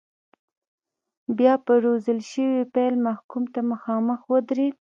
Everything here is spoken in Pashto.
بیا به روزل شوی پیل محکوم ته مخامخ ودرېد.